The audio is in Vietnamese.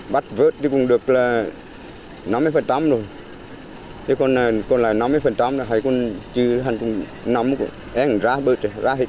bắt vớt thì cũng được là năm mươi rồi thế còn là năm mươi là hãy còn chứ hẳn cũng nắm hãy hẳn ra bớt ra hết